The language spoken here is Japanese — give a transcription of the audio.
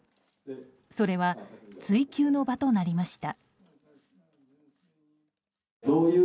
それは、追及の場となりました。